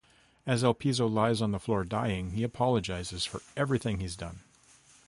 As Elpizo lies on the floor dying, he apologizes for everything he's done.